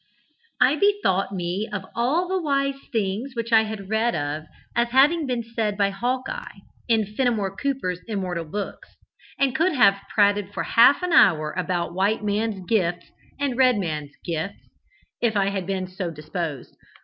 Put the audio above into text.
I bethought me of all the wise things which I had read of as having been said by 'Hawk eye,' in Fennimore Cooper's immortal books, and could have prated for half an hour about 'White man's gifts,' and 'Red man's gifts,' if I had been so disposed.